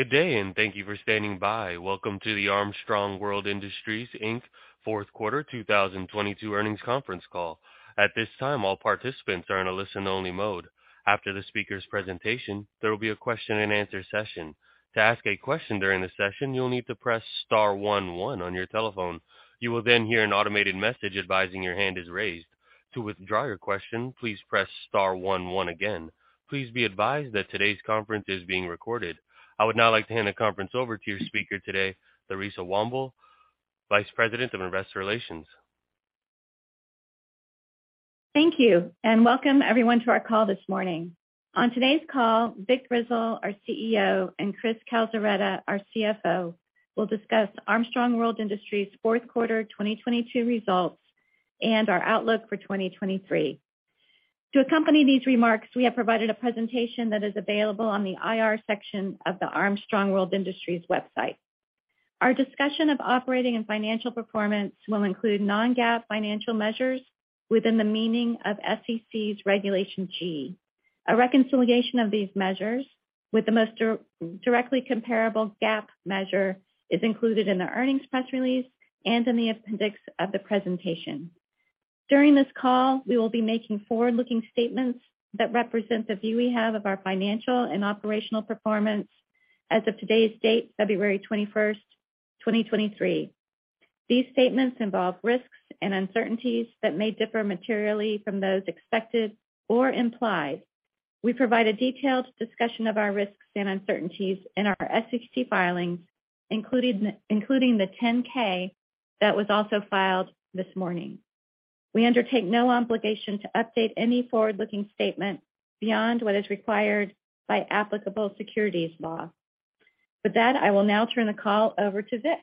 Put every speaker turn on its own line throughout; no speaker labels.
Good day, and thank you for standing by. Welcome to the Armstrong World Industries, Inc. fourth quarter 2022 earnings conference call. At this time, all participants are in a listen-only mode. After the speaker's presentation, there will be a question-and-answer session. To ask a question during the session, you'll need to press star one one on your telephone. You will then hear an automated message advising your hand is raised. To withdraw your question, please press star one one again. Please be advised that today's conference is being recorded. I would now like to hand the conference over to your speaker today, Theresa Womble, Vice President of Investor Relations.
Thank you. Welcome everyone to our call this morning. On today's call, Vic Grizzle, our CEO, and Chris Calzaretta, our CFO, will discuss Armstrong World Industries fourth quarter 2022 results and our outlook for 2023. To accompany these remarks, we have provided a presentation that is available on the IR section of the Armstrong World Industries website. Our discussion of operating and financial performance will include non-GAAP financial measures within the meaning of SEC's Regulation G. A reconciliation of these measures with the most directly comparable GAAP measure is included in the earnings press release and in the appendix of the presentation. During this call, we will be making forward-looking statements that represent the view we have of our financial and operational performance as of today's date, February 21st, 2023. These statements involve risks and uncertainties that may differ materially from those expected or implied. We provide a detailed discussion of our risks and uncertainties in our SEC filings, including the 10-K that was also filed this morning. We undertake no obligation to update any forward-looking statement beyond what is required by applicable securities law. With that, I will now turn the call over to Vic.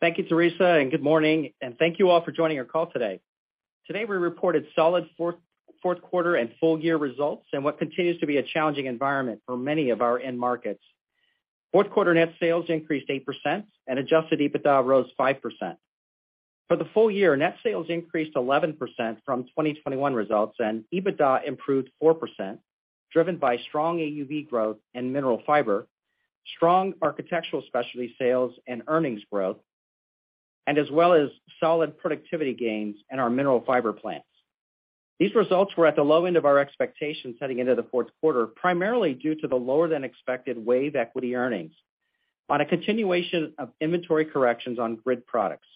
Thank you, Theresa. Good morning. Thank you all for joining our call today. Today, we reported solid fourth quarter and full year results in what continues to be a challenging environment for many of our end markets. Fourth quarter net sales increased 8% and adjusted EBITDA rose 5%. For the full year, net sales increased 11% from 2021 results and EBITDA improved 4%, driven by strong AUV growth in Mineral Fiber, strong architectural specialty sales and earnings growth, as well as solid productivity gains in our Mineral Fiber plants. These results were at the low end of our expectations heading into the fourth quarter, primarily due to the lower-than-expected WAVE equity earnings on a continuation of inventory corrections on grid products.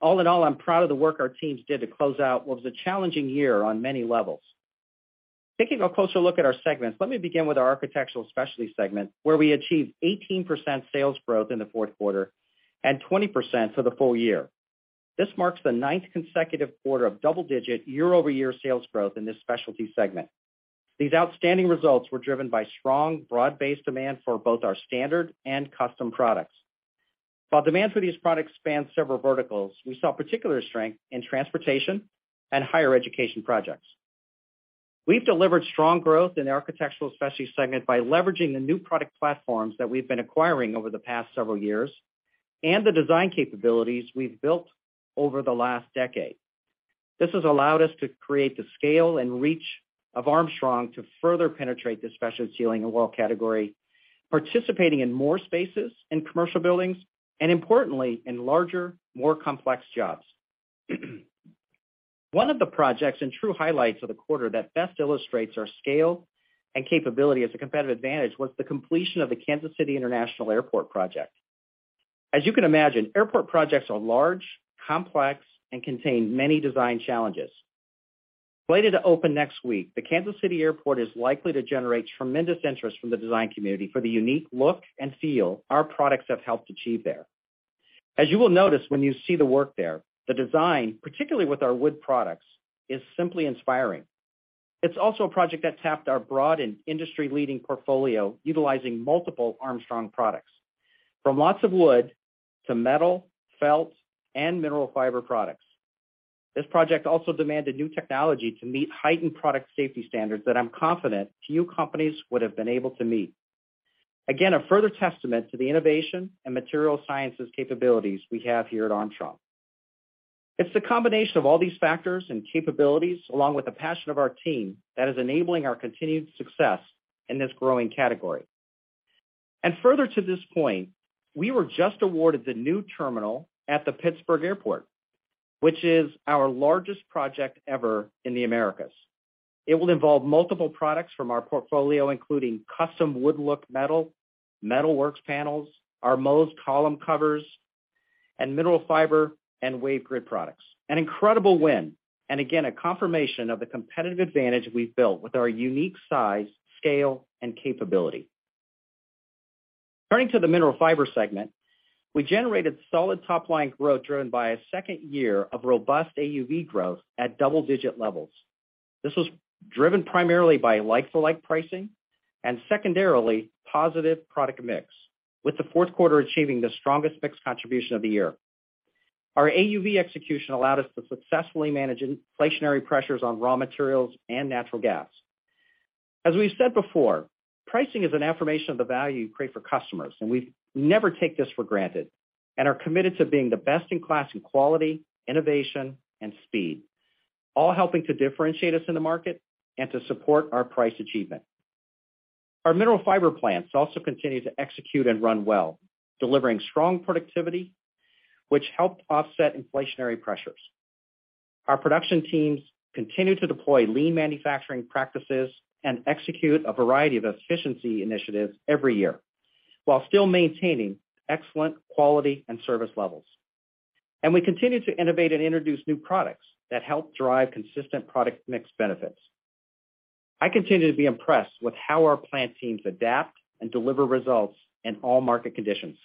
All in all, I'm proud of the work our teams did to close out what was a challenging year on many levels. Taking a closer look at our segments, let me begin with our architectural specialty segment, where we achieved 18% sales growth in the fourth quarter and 20% for the full year. This marks the ninth consecutive quarter of double-digit year-over-year sales growth in this specialty segment. These outstanding results were driven by strong, broad-based demand for both our standard and custom products. While demand for these products spans several verticals, we saw particular strength in transportation and higher education projects. We've delivered strong growth in the architectural specialty segment by leveraging the new product platforms that we've been acquiring over the past several years and the design capabilities we've built over the last decade. This has allowed us to create the scale and reach of Armstrong to further penetrate the specialty ceiling and wall category, participating in more spaces in commercial buildings and importantly, in larger, more complex jobs. One of the projects and true highlights of the quarter that best illustrates our scale and capability as a competitive advantage was the completion of the Kansas City International Airport project. As you can imagine, airport projects are large, complex, and contain many design challenges. Slated to open next week, the Kansas City Airport is likely to generate tremendous interest from the design community for the unique look and feel our products have helped achieve there. As you will notice when you see the work there, the design, particularly with our wood products, is simply inspiring. It's also a project that tapped our broad and industry-leading portfolio utilizing multiple Armstrong products, from lots of wood to metal, felt, and Mineral Fiber products. This project also demanded new technology to meet heightened product safety standards that I'm confident few companies would have been able to meet. Again, a further testament to the innovation and material sciences capabilities we have here at Armstrong. It's the combination of all these factors and capabilities, along with the passion of our team, that is enabling our continued success in this growing category. Further to this point, we were just awarded the new terminal at the Pittsburgh Airport, which is our largest project ever in the Americas. It will involve multiple products from our portfolio, including custom wood look metal, METALWORKS panels, our Móz column covers, and Mineral Fiber and WAVE grid products. An incredible win, and again, a confirmation of the competitive advantage we've built with our unique size, scale, and capability. Turning to the Mineral Fiber segment, we generated solid top-line growth driven by a second year of robust AUV growth at double-digit levels. This was driven primarily by like-for-like pricing, and secondarily, positive product mix, with the fourth quarter achieving the strongest mix contribution of the year. Our AUV execution allowed us to successfully manage inflationary pressures on raw materials and natural gas. As we've said before, pricing is an affirmation of the value you create for customers, and we never take this for granted and are committed to being the best in class in quality, innovation, and speed. All helping to differentiate us in the market and to support our price achievement. Our Mineral Fiber plants also continue to execute and run well, delivering strong productivity, which helped offset inflationary pressures. Our production teams continue to deploy lean manufacturing practices and execute a variety of efficiency initiatives every year, while still maintaining excellent quality and service levels. We continue to innovate and introduce new products that help drive consistent product mix benefits. I continue to be impressed with how our plant teams adapt and deliver results in all market conditions.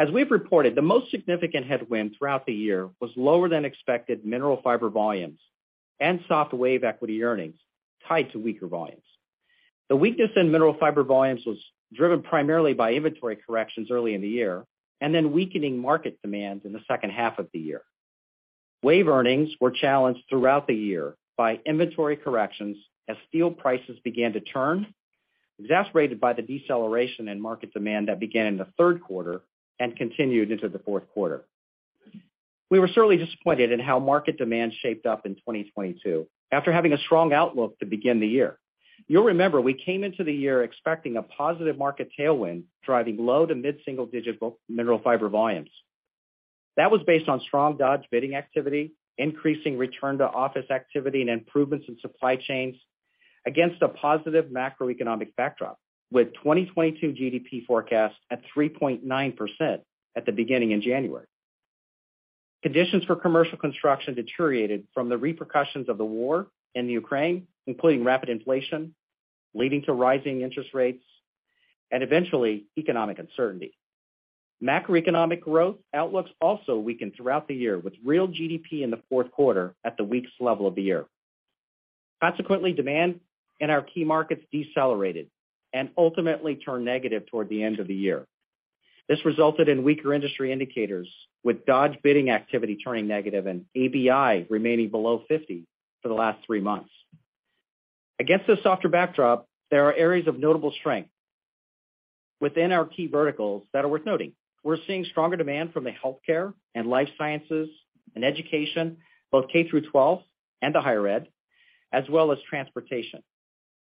As we've reported, the most significant headwind throughout the year was lower than expected Mineral Fiber volumes and soft WAVE equity earnings tied to weaker volumes. The weakness in Mineral Fiber volumes was driven primarily by inventory corrections early in the year, and then weakening market demand in the second half of the year. WAVE earnings were challenged throughout the year by inventory corrections as steel prices began to turn, exacerbated by the deceleration in market demand that began in the third quarter and continued into the fourth quarter. We were certainly disappointed in how market demand shaped up in 2022 after having a strong outlook to begin the year. You'll remember we came into the year expecting a positive market tailwind, driving low to mid-single-digit Mineral Fiber volumes. That was based on strong Dodge bidding activity, increasing return to office activity, and improvements in supply chains against a positive macroeconomic backdrop, with 2022 GDP forecast at 3.9% at the beginning in January. Conditions for commercial construction deteriorated from the repercussions of the war in Ukraine, including rapid inflation, leading to rising interest rates and eventually economic uncertainty. Macroeconomic growth outlooks also weakened throughout the year, with real GDP in the fourth quarter at the weakest level of the year. Consequently, demand in our key markets decelerated and ultimately turned negative toward the end of the year. This resulted in weaker industry indicators, with Dodge bidding activity turning negative and ABI remaining below 50 for the last three months. Against this softer backdrop, there are areas of notable strength within our key verticals that are worth noting. We're seeing stronger demand from the healthcare and life sciences and education, both K through 12 and the higher ed, as well as transportation.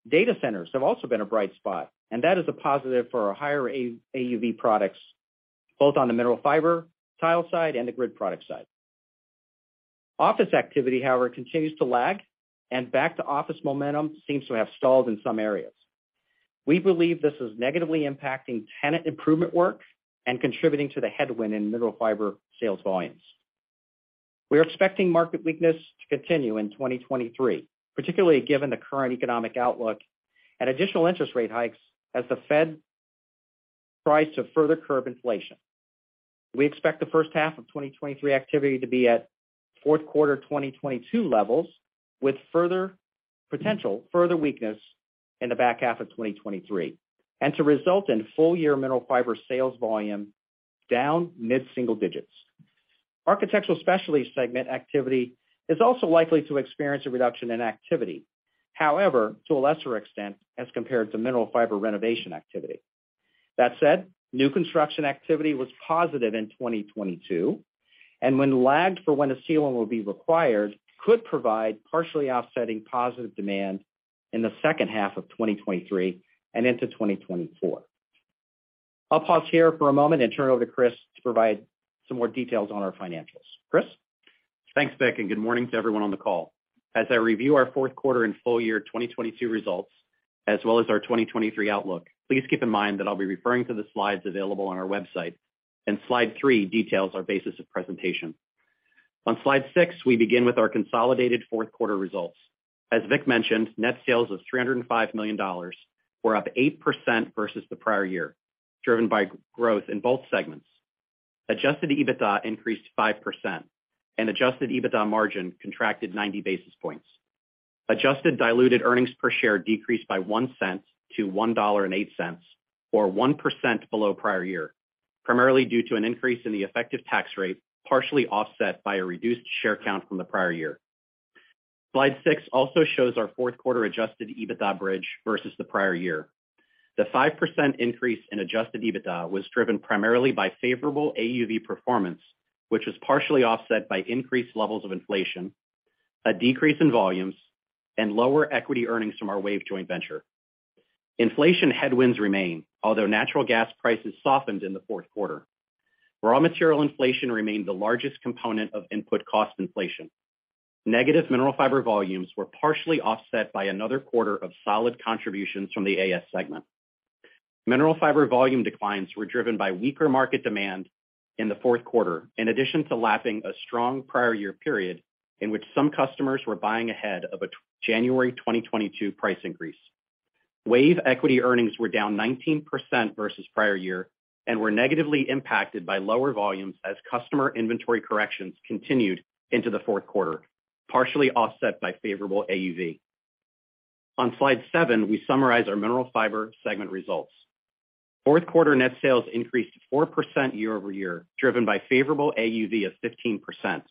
Data centers have also been a bright spot, and that is a positive for our higher AUV products, both on the Mineral Fiber tile side and the grid product side. Office activity, however, continues to lag and back to office momentum seems to have stalled in some areas. We believe this is negatively impacting tenant improvement work and contributing to the headwind in Mineral Fiber sales volumes. We are expecting market weakness to continue in 2023, particularly given the current economic outlook and additional interest rate hikes as the Fed tries to further curb inflation. We expect the first half of 2023 activity to be at fourth quarter 2022 levels, with further weakness in the back half of 2023, and to result in full year Mineral Fiber sales volume down mid-single digits. Architectural specialty segment activity is also likely to experience a reduction in activity, however, to a lesser extent as compared to Mineral Fiber renovation activity. That said, new construction activity was positive in 2022, and when lagged for when a ceiling will be required, could provide partially offsetting positive demand in the second half of 2023 and into 2024. I'll pause here for a moment and turn it over to Chris to provide some more details on our financials. Chris?
Thanks, Vic. Good morning to everyone on the call. As I review our fourth quarter and full year 2022 results, as well as our 2023 outlook, please keep in mind that I'll be referring to the slides available on our website, and slide three details our basis of presentation. On slide six, we begin with our consolidated fourth quarter results. As Vic mentioned, net sales of $305 million were up 8% versus the prior year, driven by growth in both segments. Adjusted EBITDA increased 5% and Adjusted EBITDA margin contracted 90 basis points. Adjusted diluted earnings per share decreased by $0.01-$1.08 or 1% below prior year, primarily due to an increase in the effective tax rate, partially offset by a reduced share count from the prior year. Slide six also shows our fourth quarter adjusted EBITDA bridge versus the prior year. The 5% increase in adjusted EBITDA was driven primarily by favorable AUV performance, which was partially offset by increased levels of inflation, a decrease in volumes, and lower equity earnings from our WAVE joint venture. Inflation headwinds remain, although natural gas prices softened in the fourth quarter. Raw material inflation remained the largest component of input cost inflation. Negative Mineral Fiber volumes were partially offset by another quarter of solid contributions from the AS segment. Mineral fiber volume declines were driven by weaker market demand in the fourth quarter, in addition to lapping a strong prior year period in which some customers were buying ahead of a January 2022 price increase. WAVE equity earnings were down 19% versus prior year and were negatively impacted by lower volumes as customer inventory corrections continued into the fourth quarter, partially offset by favorable AUV. On slide seven, we summarize our Mineral Fiber segment results. Fourth quarter net sales increased 4% year-over-year, driven by favorable AUV of 15%,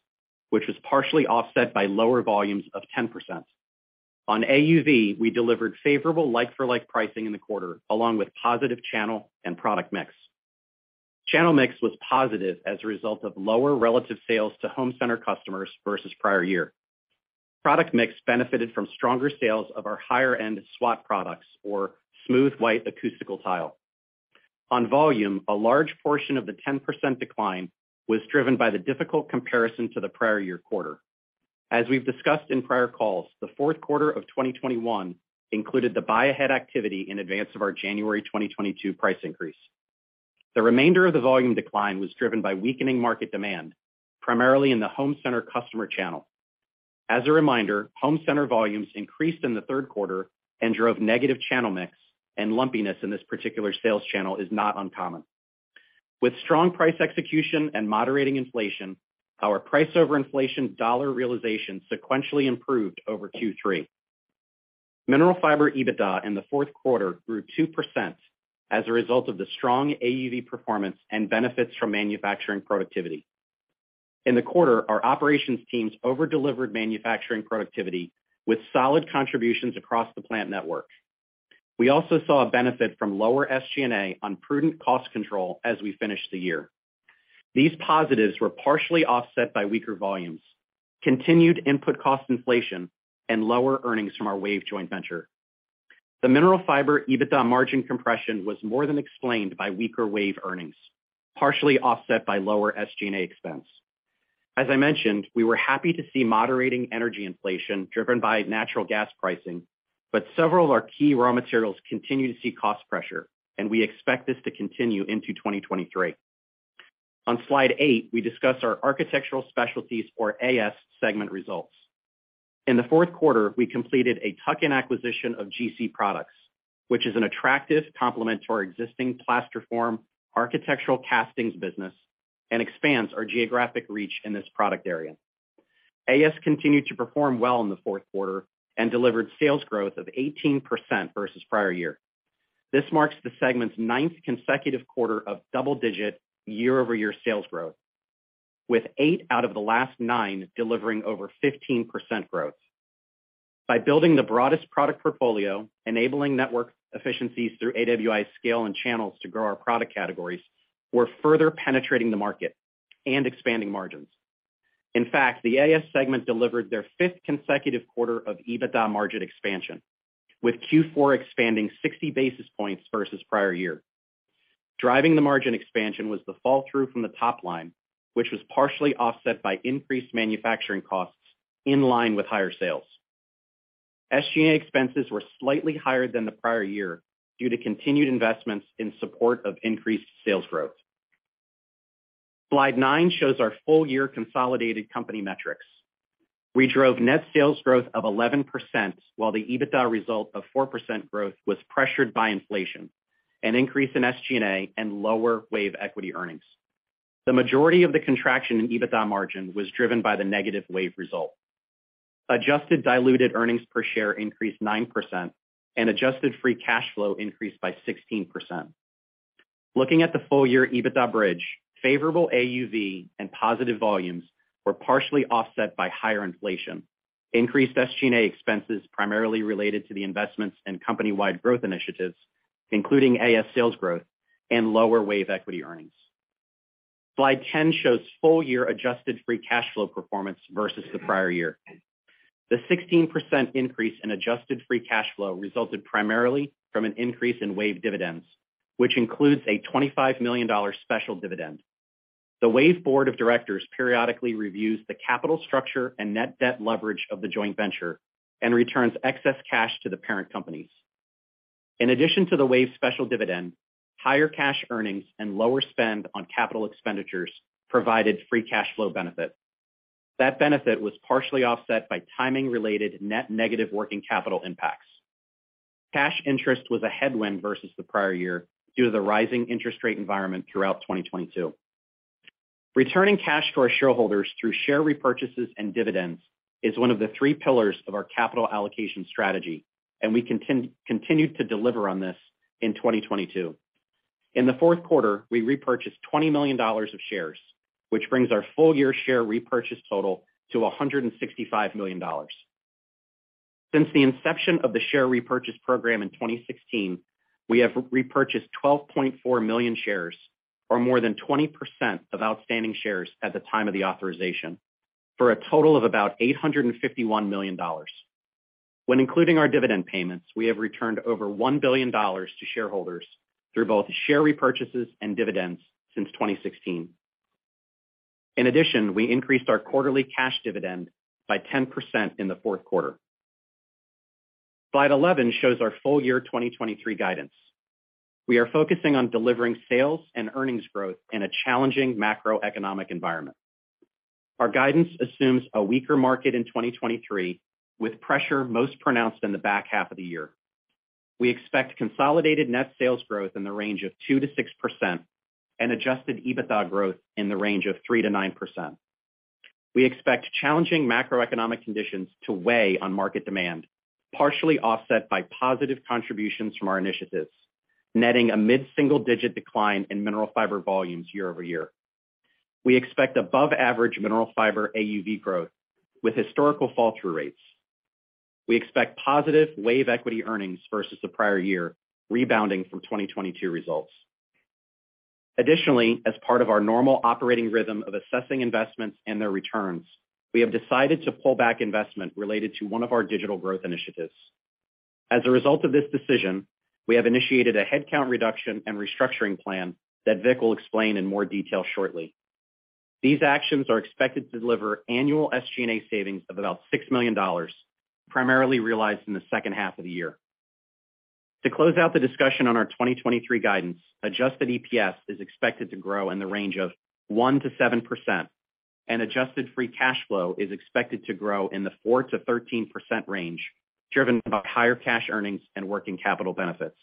which was partially offset by lower volumes of 10%. On AUV, we delivered favorable like for like pricing in the quarter, along with positive channel and product mix. Channel mix was positive as a result of lower relative sales to home center customers versus prior year. Product mix benefited from stronger sales of our higher-end SWAT products or smooth white acoustical tile. On volume, a large portion of the 10% decline was driven by the difficult comparison to the prior year quarter. As we've discussed in prior calls, the fourth quarter of 2021 included the buy ahead activity in advance of our January 2022 price increase. The remainder of the volume decline was driven by weakening market demand, primarily in the home center customer channel. As a reminder, home center volumes increased in the third quarter and drove negative channel mix, and lumpiness in this particular sales channel is not uncommon. With strong price execution and moderating inflation, our price over inflation dollar realization sequentially improved over Q3. Mineral Fiber EBITDA in the fourth quarter grew 2% as a result of the strong AUV performance and benefits from manufacturing productivity. In the quarter, our operations teams over-delivered manufacturing productivity with solid contributions across the plant network. We also saw a benefit from lower SG&A on prudent cost control as we finished the year. These positives were partially offset by weaker volumes, continued input cost inflation, and lower earnings from our WAVE joint venture. The Mineral Fiber EBITDA margin compression was more than explained by weaker WAVE earnings, partially offset by lower SG&A expense. As I mentioned, we were happy to see moderating energy inflation driven by natural gas pricing, but several of our key raw materials continue to see cost pressure, and we expect this to continue into 2023. On slide eight, we discuss our Architectural Specialties or AS segment results. In the fourth quarter, we completed a tuck-in acquisition of GC Products, which is an attractive complement to our existing plaster form architectural castings business and expands our geographic reach in this product area. AS continued to perform well in the fourth quarter and delivered sales growth of 18% versus prior year. This marks the segment's ninth consecutive quarter of double-digit year-over-year sales growth, with eight out of the last nine delivering over 15% growth. By building the broadest product portfolio, enabling network efficiencies through AWI scale and channels to grow our product categories, we're further penetrating the market and expanding margins. In fact, the AS segment delivered their fifth consecutive quarter of EBITDA margin expansion, with Q4 expanding 60 basis points versus prior year. Driving the margin expansion was the fall-through from the top line, which was partially offset by increased manufacturing costs in line with higher sales. SG&A expenses were slightly higher than the prior year due to continued investments in support of increased sales growth. Slide nine shows our full year consolidated company metrics. We drove net sales growth of 11%, while the EBITDA result of 4% growth was pressured by inflation, an increase in SG&A, and lower WAVE equity earnings. The majority of the contraction in EBITDA margin was driven by the negative WAVE result. Adjusted diluted earnings per share increased 9% and adjusted free cash flow increased by 16%. Looking at the full year EBITDA bridge, favorable AUV and positive volumes were partially offset by higher inflation, increased SG&A expenses primarily related to the investments and company-wide growth initiatives, including AS sales growth and lower WAVE equity earnings. Slide 10 shows full year adjusted free cash flow performance versus the prior year. The 16% increase in adjusted free cash flow resulted primarily from an increase in WAVE dividends, which includes a $25 million special dividend. The WAVE board of directors periodically reviews the capital structure and net debt leverage of the joint venture and returns excess cash to the parent companies. In addition to the WAVE special dividend, higher cash earnings and lower spend on capital expenditures provided free cash flow benefit. That benefit was partially offset by timing-related net negative working capital impacts. Cash interest was a headwind versus the prior year due to the rising interest rate environment throughout 2022. Returning cash to our shareholders through share repurchases and dividends is one of the three pillars of our capital allocation strategy, and we continue to deliver on this in 2022. In the fourth quarter, we repurchased $20 million of shares, which brings our full year share repurchase total to $165 million. Since the inception of the share repurchase program in 2016, we have repurchased 12.4 million shares or more than 20% of outstanding shares at the time of the authorization, for a total of about $851 million. When including our dividend payments, we have returned over $1 billion to shareholders through both share repurchases and dividends since 2016. We increased our quarterly cash dividend by 10% in the fourth quarter. Slide 11 shows our full year 2023 guidance. We are focusing on delivering sales and earnings growth in a challenging macroeconomic environment. Our guidance assumes a weaker market in 2023, with pressure most pronounced in the back half of the year. We expect consolidated net sales growth in the range of 2%-6% and adjusted EBITDA growth in the range of 3%-9%. We expect challenging macroeconomic conditions to weigh on market demand, partially offset by positive contributions from our initiatives, netting a mid-single-digit decline in Mineral Fibervolumes year-over-year. We expect above average Mineral Fiber AUV growth with historical fall through rates. We expect positive WAVE equity earnings versus the prior year rebounding from 2022 results. Additionally, as part of our normal operating rhythm of assessing investments and their returns, we have decided to pull back investment related to one of our digital growth initiatives. As a result of this decision, we have initiated a headcount reduction and restructuring plan that Vic will explain in more detail shortly. These actions are expected to deliver annual SG&A savings of about $6 million, primarily realized in the second half of the year. To close out the discussion on our 2023 guidance, adjusted EPS is expected to grow in the range of 1%-7%, and adjusted free cash flow is expected to grow in the 4%-13% range, driven by higher cash earnings and working capital benefits.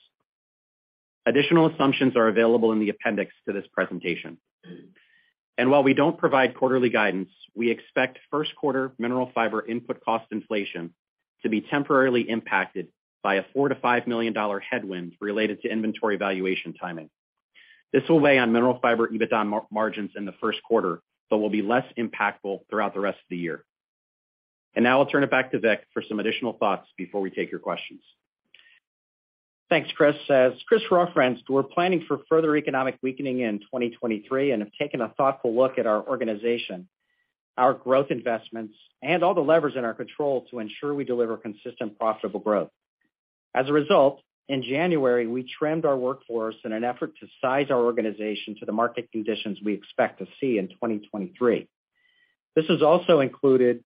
Additional assumptions are available in the appendix to this presentation. While we don't provide quarterly guidance, we expect first quarter Mineral Fiber input cost inflation to be temporarily impacted by a $4 million-$5 million headwind related to inventory valuation timing. This will weigh on Mineral Fiber EBITDA margins in the first quarter, but will be less impactful throughout the rest of the year. Now I'll turn it back to Vic for some additional thoughts before we take your questions.
Thanks, Chris. As Chris referenced, we're planning for further economic weakening in 2023 and have taken a thoughtful look at our organization, our growth investments, and all the levers in our control to ensure we deliver consistent profitable growth. As a result, in January, we trimmed our workforce in an effort to size our organization to the market conditions we expect to see in 2023. This has also included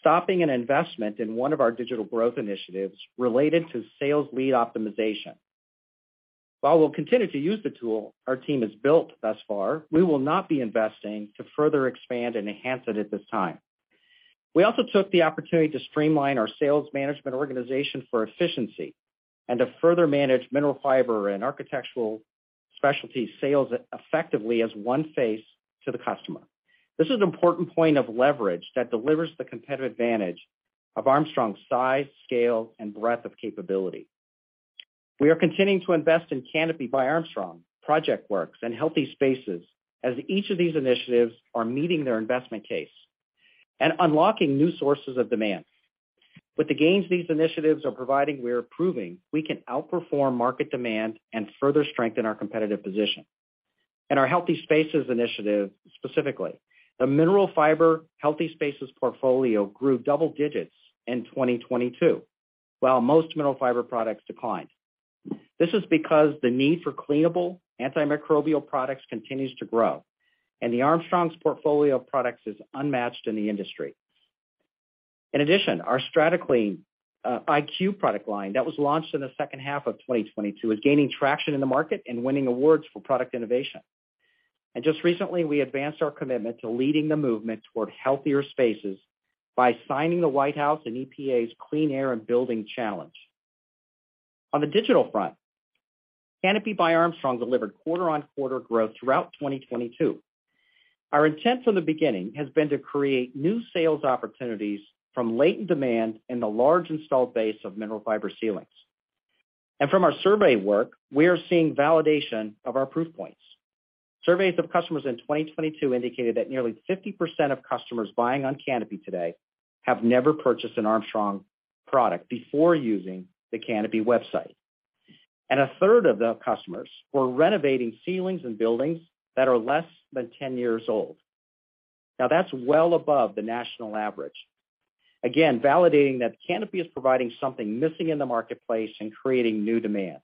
stopping an investment in one of our digital growth initiatives related to sales lead optimization. While we'll continue to use the tool our team has built thus far, we will not be investing to further expand and enhance it at this time. We also took the opportunity to streamline our sales management organization for efficiency and to further manage Mineral Fiber and Architectural Specialties sales effectively as one face to the customer. This is an important point of leverage that delivers the competitive advantage of Armstrong's size, scale, and breadth of capability. We are continuing to invest in Kanopi by Armstrong, PROJECTWORKS, and Healthy Spaces as each of these initiatives are meeting their investment case and unlocking new sources of demand. With the gains these initiatives are providing, we are proving we can outperform market demand and further strengthen our competitive position. In our Healthy Spaces initiative, specifically, the Mineral Fiber Healthy Spaces portfolio grew double digits in 2022 while most Mineral Fiber products declined. This is because the need for cleanable, antimicrobial products continues to grow, and Armstrong's portfolio of products is unmatched in the industry. In addition, our STRATACLEAN IQ product line that was launched in the second half of 2022 is gaining traction in the market and winning awards for product innovation Just recently, we advanced our commitment to leading the movement toward Healthy Spaces by signing the White House and EPA's Clean Air in Buildings Challenge. On the digital front, Kanopi by Armstrong delivered quarter-on-quarter growth throughout 2022. Our intent from the beginning has been to create new sales opportunities from latent demand in the large installed base of Mineral Fiber ceilings. From our survey work, we are seeing validation of our proof points. Surveys of customers in 2022 indicated that nearly 50% of customers buying on Kanopi today have never purchased an Armstrong product before using the Kanopi website. A third of the customers were renovating ceilings and buildings that are less than 10 years old. Now, that's well above the national average, again, validating that Kanopi is providing something missing in the marketplace and creating new demand.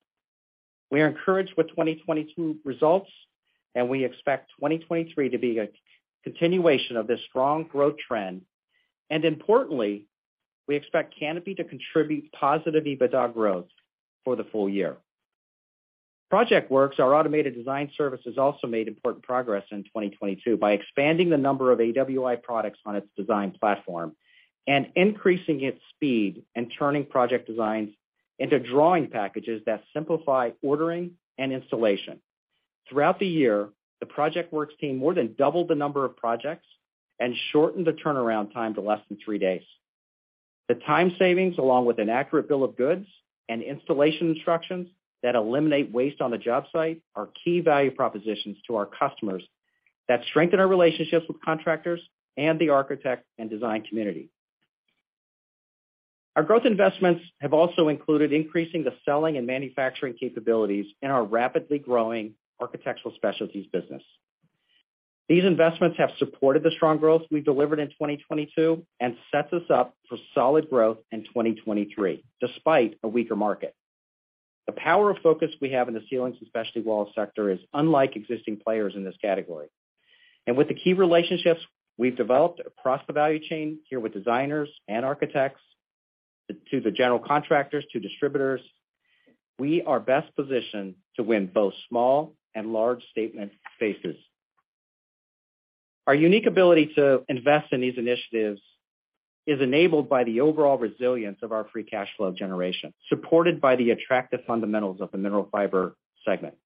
We are encouraged with 2022 results, and we expect 2023 to be a continuation of this strong growth trend. Importantly, we expect Kanopi to contribute positive EBITDA growth for the full year. PROJECTWORKS, our automated design services, also made important progress in 2022 by expanding the number of AWI products on its design platform and increasing its speed in turning project designs into drawing packages that simplify ordering and installation. Throughout the year, the PROJECTWORKS team more than doubled the number of projects and shortened the turnaround time to less than three days. The time savings, along with an accurate bill of goods and installation instructions that eliminate waste on the job site, are key value propositions to our customers that strengthen our relationships with contractors and the architect and design community. Our growth investments have also included increasing the selling and manufacturing capabilities in our rapidly growing Architectural Specialties business. These investments have supported the strong growth we've delivered in 2022 and sets us up for solid growth in 2023, despite a weaker market. The power of focus we have in the ceilings and specialty walls sector is unlike existing players in this category. With the key relationships we've developed across the value chain here with designers and architects to the general contractors to distributors, we are best positioned to win both small and large statement spaces. Our unique ability to invest in these initiatives is enabled by the overall resilience of our free cash flow generation, supported by the attractive fundamentals of the Mineral Fiber segment.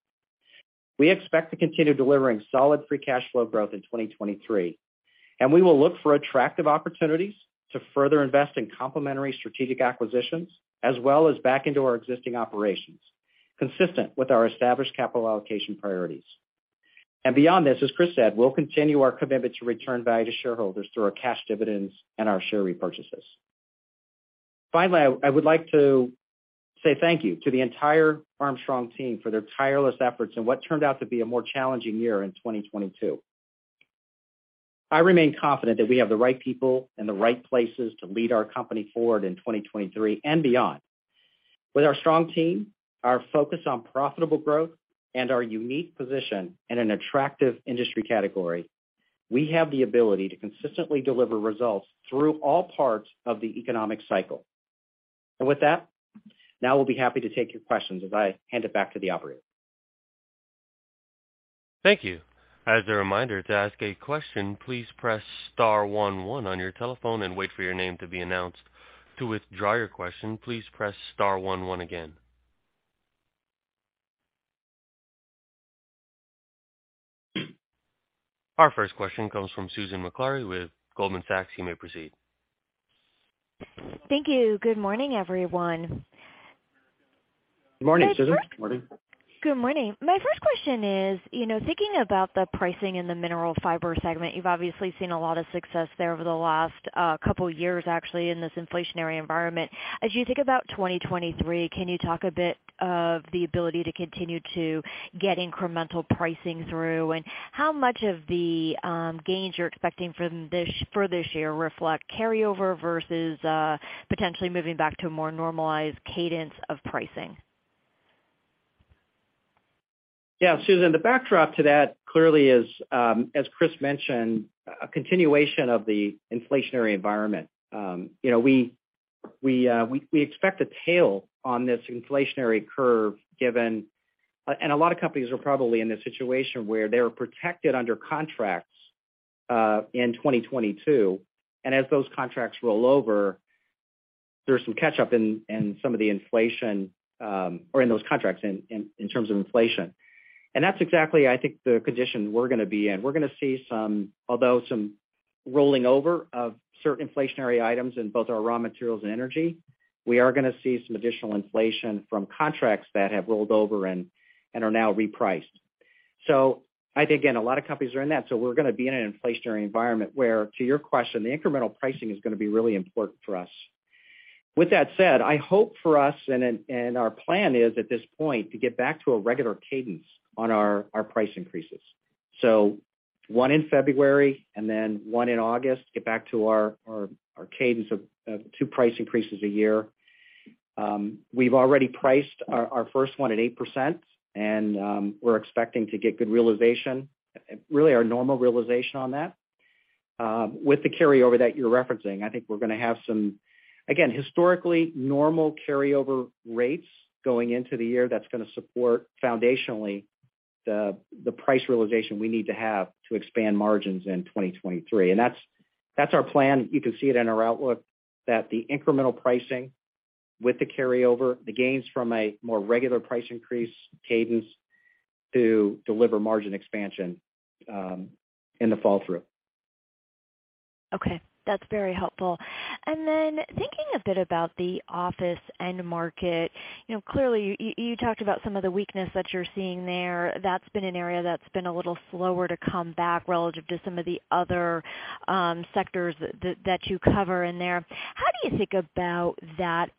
We expect to continue delivering solid free cash flow growth in 2023. Beyond this, as Chris said, we'll continue our commitment to return value to shareholders through our cash dividends and our share repurchases. Finally, I would like to say thank you to the entire Armstrong team for their tireless efforts in what turned out to be a more challenging year in 2022. I remain confident that we have the right people in the right places to lead our company forward in 2023 and beyond. With our strong team, our focus on profitable growth, and our unique position in an attractive industry category, we have the ability to consistently deliver results through all parts of the economic cycle. With that, now we'll be happy to take your questions as I hand it back to the operator.
Thank you. As a reminder, to ask a question, please press star one one on your telephone and wait for your name to be announced. To withdraw your question, please press star one one again. Our first question comes from Susan Maklari with Goldman Sachs. You may proceed.
Thank you. Good morning, everyone.
Good morning, Susan.
My first- Good morning. My first question is, you know, thinking about the pricing in the Mineral Fiber segment, you've obviously seen a lot of success there over the last couple years actually in this inflationary environment. As you think about 2023, can you talk a bit of the ability to continue to get incremental pricing through? And how much of the gains you're expecting for this year reflect carryover versus potentially moving back to a more normalized cadence of pricing?
Yeah, Susan, the backdrop to that clearly is, as Chris mentioned, a continuation of the inflationary environment. You know, we expect a tail on this inflationary curve given, and a lot of companies are probably in this situation where they were protected under contracts, in 2022, and as those contracts roll over, there's some catch-up in some of the inflation, or in those contracts in terms of inflation. That's exactly, I think, the condition we're gonna be in. We're gonna see some, although some rolling over of certain inflationary items in both our raw materials and energy, we are gonna see some additional inflation from contracts that have rolled over and are now repriced. I think, again, a lot of companies are in that, so we're gonna be in an inflationary environment where, to your question, the incremental pricing is gonna be really important for us. With that said, I hope for us, and our plan is at this point to get back to a regular cadence on our price increases. One in February and then one in August, get back to our cadence of two price increases a year. We've already priced our first one at 8%, and we're expecting to get good realization, really our normal realization on that. With the carryover that you're referencing, I think we're gonna have some, again, historically normal carryover rates going into the year that's gonna support foundationally the price realization we need to have to expand margins in 2023. That's our plan. You can see it in our outlook that the incremental pricing with the carryover, the gains from a more regular price increase cadence to deliver margin expansion in the fall through.
Okay. That's very helpful. Thinking a bit about the office end market, you know, clearly you talked about some of the weakness that you're seeing there. That's been an area that's been a little slower to come back relative to some of the other sectors that you cover in there. How do you think about that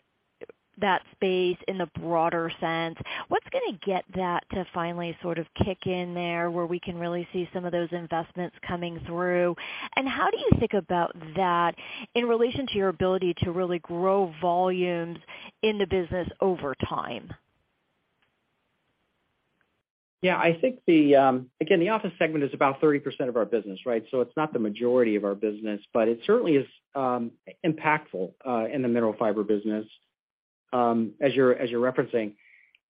space in the broader sense? What's gonna get that to finally sort of kick in there, where we can really see some of those investments coming through? How do you think about that in relation to your ability to really grow volumes in the business over time?
Yeah, I think the again, the office segment is about 30% of our business, right? It's not the majority of our business, but it certainly is impactful in the Mineral Fiber business, as you're referencing.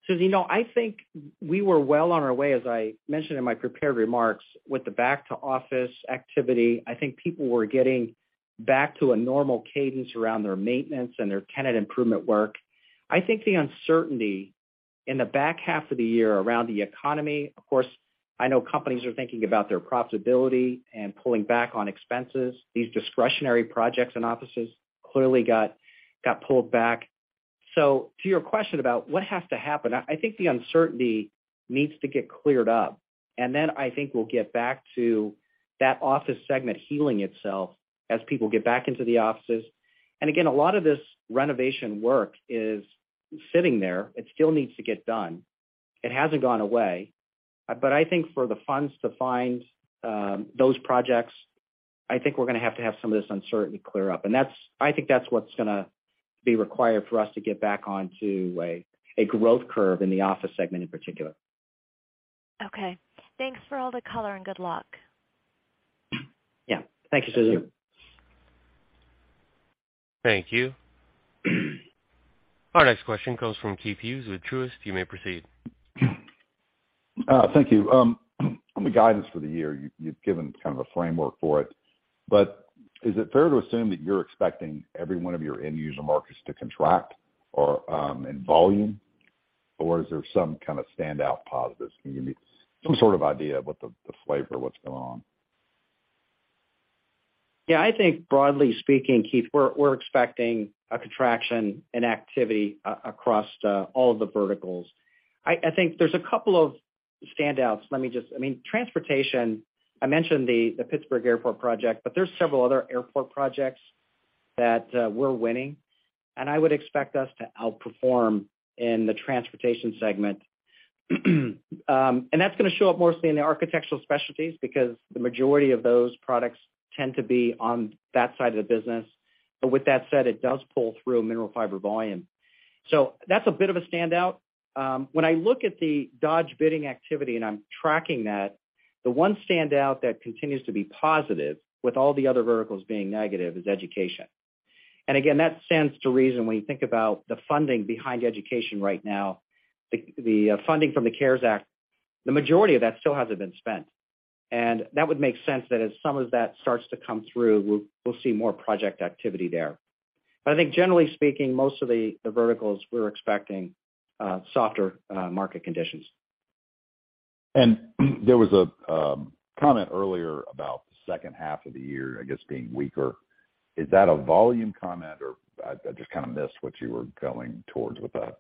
Susan, you know, I think we were well on our way, as I mentioned in my prepared remarks, with the back to office activity. I think people were getting back to a normal cadence around their maintenance and their tenant improvement work. I think the uncertainty in the back half of the year around the economy, of course, I know companies are thinking about their profitability and pulling back on expenses. These discretionary projects and offices clearly got pulled back. To your question about what has to happen, I think the uncertainty needs to get cleared up, and then I think we'll get back to that office segment healing itself as people get back into the offices. Again, a lot of this renovation work is sitting there. It still needs to get done. It hasn't gone away. I think for the funds to find those projects, I think we're gonna have to have some of this uncertainty clear up, and I think that's what's gonna be required for us to get back onto a growth curve in the office segment in particular.
Okay. Thanks for all the color, and good luck.
Yeah. Thank you, Susan.
Thank you. Our next question comes from Keith Hughes with Truist. You may proceed.
Thank you. On the guidance for the year, you've given kind of a framework for it, but is it fair to assume that you're expecting every one of your end user markets to contract or, in volume, or is there some kind of standout positives? Can you give me some sort of idea of what the flavor of what's going on?
Yeah, I think broadly speaking, Keith, we're expecting a contraction in activity across all of the verticals. I think there's a couple of standouts. Let me just... I mean, transportation, I mentioned the Pittsburgh Airport project, but there's several other airport projects that we're winning and I would expect us to outperform in the transportation segment. That's gonna show up mostly in the Architectural Specialties because the majority of those products tend to be on that side of the business. With that said, it does pull through Mineral Fiber volume. That's a bit of a standout. When I look at the Dodge bidding activity, and I'm tracking that, the one standout that continues to be positive with all the other verticals being negative, is education. That stands to reason when you think about the funding behind education right now, the funding from the CARES Act, the majority of that still hasn't been spent. That would make sense that as some of that starts to come through, we'll see more project activity there. I think generally speaking, most of the verticals we're expecting, softer, market conditions.
There was a comment earlier about the second half of the year, I guess, being weaker. Is that a volume comment or I just kinda missed what you were going towards with that?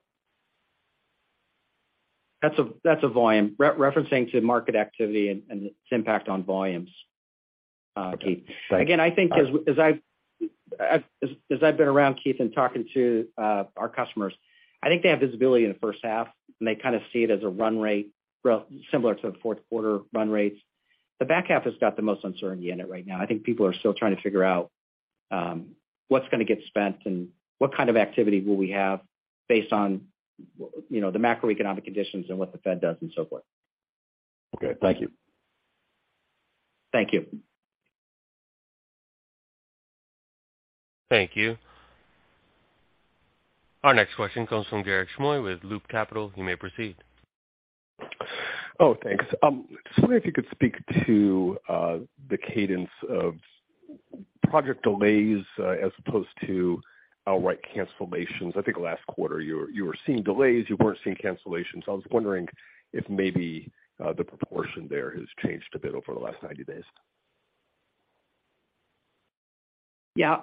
That's a volume. Re-referencing to market activity and its impact on volumes, Keith. Again, I think as I've been around, Keith, and talking to our customers, I think they have visibility in the first half, and they kinda see it as a run rate, well, similar to the fourth quarter run rates. The back half has got the most uncertainty in it right now. I think people are still trying to figure out what's gonna get spent and what kind of activity will we have based on, you know, the macroeconomic conditions and what the Fed does and so forth.
Okay. Thank you.
Thank you.
Thank you. Our next question comes from Garik Shmois with Loop Capital. You may proceed.
Thanks. Just wondering if you could speak to the cadence of project delays as opposed to outright cancellations. I think last quarter you were seeing delays, you weren't seeing cancellations. I was wondering if maybe the proportion there has changed a bit over the last 90 days.
Yeah.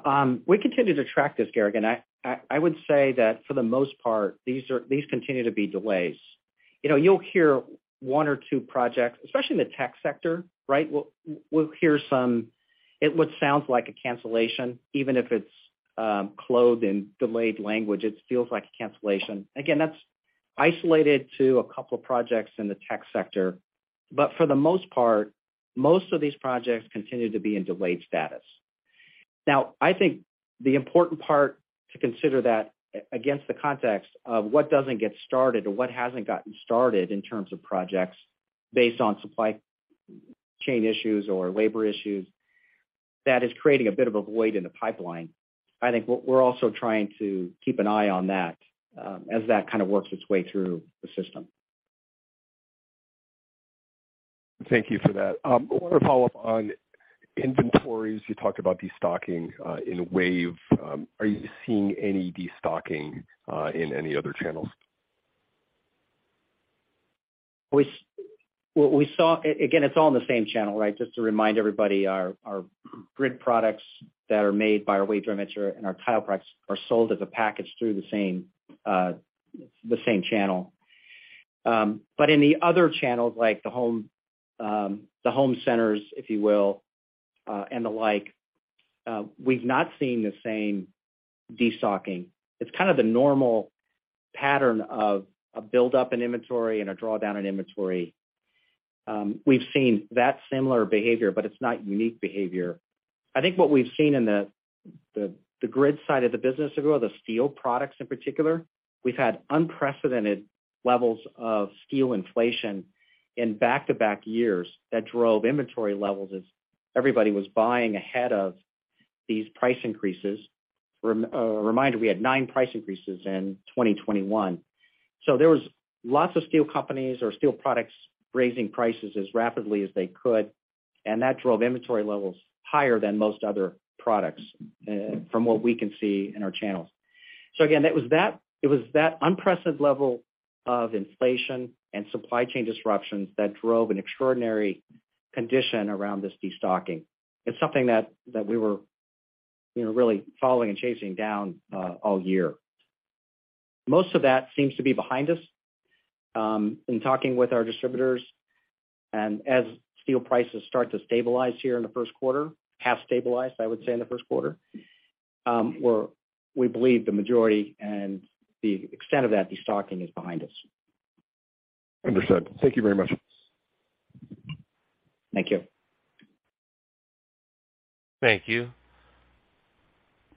We continue to track this, Garik, and I would say that for the most part, these continue to be delays. You know, you'll hear one or two projects, especially in the tech sector, right, we'll hear what sounds like a cancellation, even if it's clothed in delayed language, it feels like a cancellation. Again, that's isolated to a couple projects in the tech sector. For the most part, most of these projects continue to be in delayed status. I think the important part to consider that against the context of what doesn't get started or what hasn't gotten started in terms of projects based on supply chain issues or labor issues, that is creating a bit of a void in the pipeline. I think what we're also trying to keep an eye on that, as that kind of works its way through the system.
Thank you for that. I wanna follow up on inventories. You talked about destocking, in WAVE. Are you seeing any destocking, in any other channels?
What we saw Again, it's all in the same channel, right? Just to remind everybody, our grid products that are made by our WAVE joint venture and our tile products are sold as a package through the same channel. In the other channels, like the home centers, if you will, and the like, we've not seen the same destocking. It's kind of the normal pattern of a build up in inventory and a drawdown in inventory. We've seen that similar behavior, but it's not unique behavior. I think what we've seen in the grid side of the business or the steel products in particular, we've had unprecedented levels of steel inflation in back-to-back years that drove inventory levels as everybody was buying ahead of these price increases. Reminder, we had nine price increases in 2021. There was lots of steel companies or steel products raising prices as rapidly as they could, and that drove inventory levels higher than most other products, from what we can see in our channels. Again, it was that unprecedented level of inflation and supply chain disruptions that drove an extraordinary condition around this destocking. It's something that we were, you know, really following and chasing down all year. Most of that seems to be behind us. In talking with our distributors and as steel prices start to stabilize here in the first quarter, have stabilized, I would say, in the first quarter, we believe the majority and the extent of that destocking is behind us.
Understood. Thank you very much.
Thank you.
Thank you.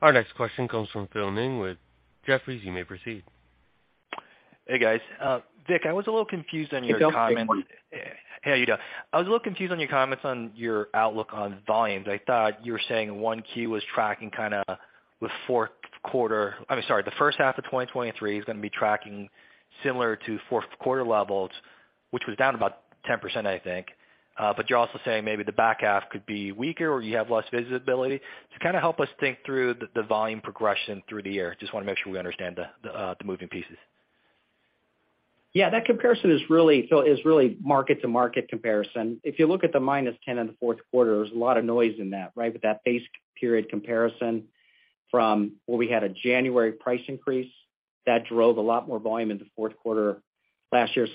Our next question comes from Philip Ng with Jefferies. You may proceed.
Hey, guys. Vic, I was a little confused on your comment-
Hey, Phil.
Hey, how you doing? I was a little confused on your comments on your outlook on volumes. I thought you were saying 1Q was tracking kinda the fourth quarter. I mean, sorry, the first half of 2023 is gonna be tracking similar to fourth quarter levels, which was down about 10%, I think. You're also saying maybe the back half could be weaker or you have less visibility. Kinda help us think through the volume progression through the year. Just wanna make sure we understand the moving pieces.
Yeah, that comparison is really, Phil, is really market to market comparison. If you look at the -10% in the fourth quarter, there's a lot of noise in that, right? With that base period comparison from where we had a January price increase that drove a lot more volume in the fourth quarter last year.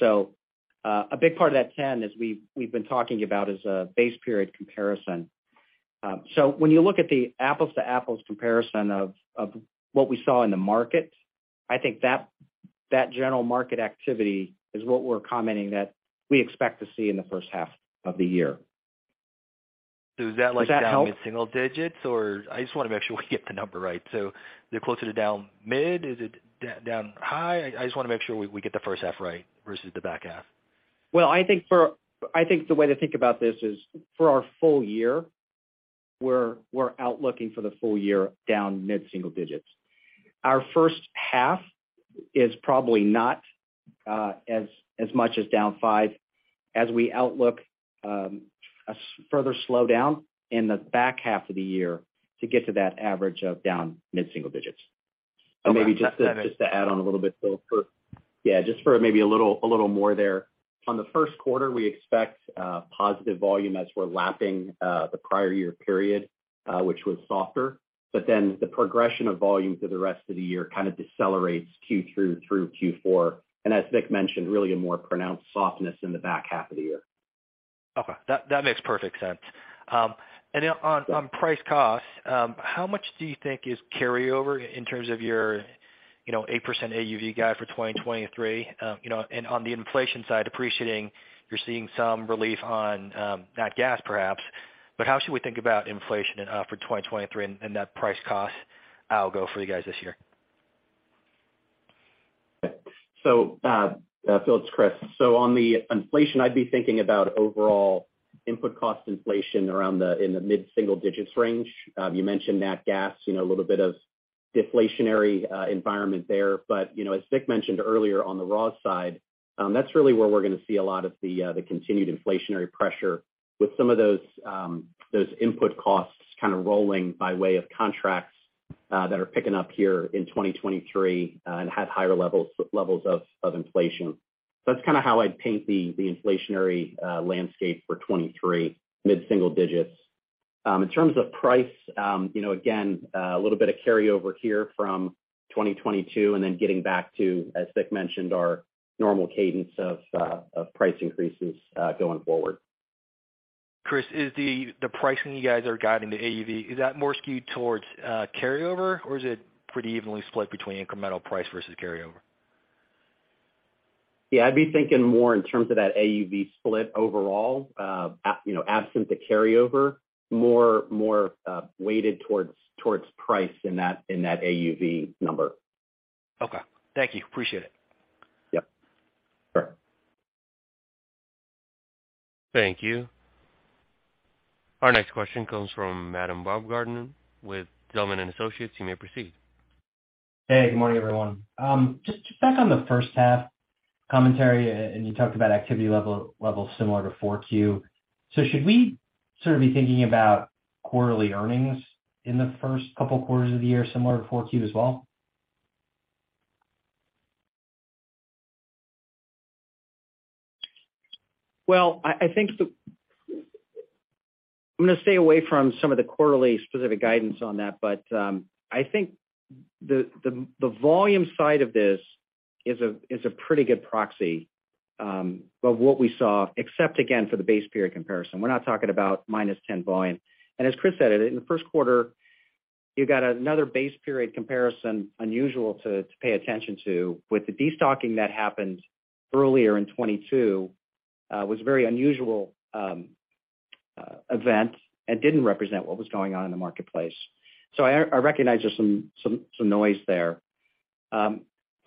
A big part of that -10%, as we've been talking about, is a base period comparison. When you look at the apples to apples comparison of what we saw in the market, I think that general market activity is what we're commenting that we expect to see in the first half of the year.
Is that like-
Does that help?
down mid-single digits or. I just wanna make sure we get the number right. You're closer to down mid, is it down high? I just wanna make sure we get the first half right versus the back half.
Well, I think the way to think about this is for our full year, we're outlooking for the full year down mid-single digits. Our first half is probably not as much as down five as we outlook further slowdown in the back half of the year to get to that average of down mid-single digits.
Okay, that's better.
Maybe just to add on a little bit, Phil, just for maybe a little more there. On the first quarter, we expect positive volume as we're lapping the prior year period, which was softer. The progression of volume through the rest of the year kind of decelerates Q2 to Q4. As Vic mentioned, really a more pronounced softness in the back half of the year.
Okay. That makes perfect sense. On price costs, how much do you think is carryover in terms of your, you know, 8% AUV guide for 2023? You know, on the inflation side, appreciating you're seeing some relief on nat gas perhaps, but how should we think about inflation and for 2023 and that price cost outlook for you guys this year?
Phil, it's Chris. On the inflation, I'd be thinking about overall input cost inflation in the mid-single digits range. You mentioned nat gas, you know, a little bit of deflationary environment there. You know, as Vic mentioned earlier on the raw side, that's really where we're gonna see a lot of the continued inflationary pressure with some of those input costs kind of rolling by way of contracts that are picking up here in 2023 and have higher levels of inflation. That's kinda how I'd paint the inflationary landscape for 2023, mid-single digits. In terms of price, you know, again, a little bit of carryover here from 2022, and then getting back to, as Vic mentioned, our normal cadence of price increases, going forward.
Chris, is the pricing you guys are guiding to AUV, is that more skewed towards carryover, or is it pretty evenly split between incremental price versus carryover?
Yeah, I'd be thinking more in terms of that AUV split overall, you know, absent the carryover, more weighted towards price in that AUV number.
Okay. Thank you. Appreciate it.
Yep. Sure.
Thank you. Our next question comes from Adam Baumgarten with Zelman & Associates. You may proceed.
Hey, good morning, everyone. just back on the first half commentary, and you talked about activity level similar to 4Q. Should we sort of be thinking about quarterly earnings in the first couple quarters of the year similar to 4Q as well?
I think I'm gonna stay away from some of the quarterly specific guidance on that, but I think the volume side of this is a pretty good proxy of what we saw, except again, for the base period comparison. We're not talking about -10 volume. As Chris said, in the first quarter, you got another base period comparison unusual to pay attention to with the destocking that happened earlier in 2022, was a very unusual event and didn't represent what was going on in the marketplace. I recognize there's some noise there.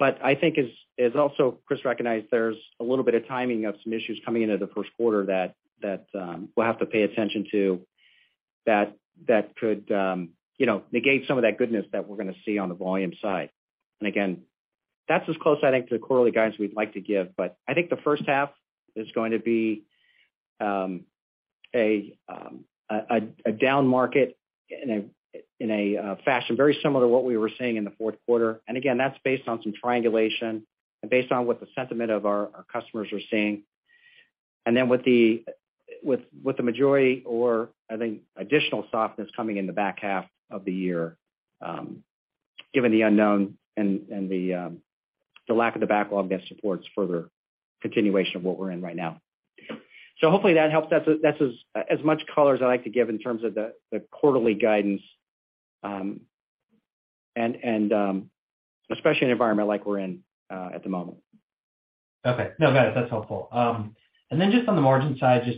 I think as also Chris recognized, there's a little bit of timing of some issues coming into the first quarter that we'll have to pay attention to that could, you know, negate some of that goodness that we're gonna see on the volume side. Again, that's as close I think to the quarterly guidance we'd like to give, but I think the first half is going to be a down market in a fashion very similar to what we were seeing in the fourth quarter. Again, that's based on some triangulation and based on what the sentiment of our customers are seeing. With the majority or I think additional softness coming in the back half of the year, given the unknown and the lack of the backlog that supports further continuation of what we're in right now. Hopefully that helps. That's as much color as I'd like to give in terms of the quarterly guidance, and especially in an environment like we're in at the moment.
Okay. No, got it. That's helpful. Just on the margin side, just